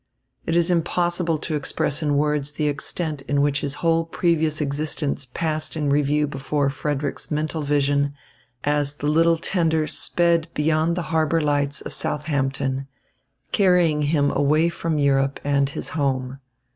It is impossible to express in words the extent in which his whole previous existence passed in review before Frederick's mental vision as the little tender sped beyond the harbour lights of Southampton, carrying him away from Europe and his home.